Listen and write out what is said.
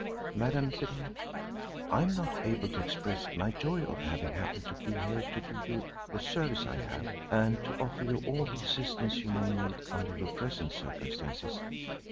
"Madam," said he, "I am not able to express my joy at having happened to be here to do you the service I have, and to offer you all the assistance you may need under your present circumstances."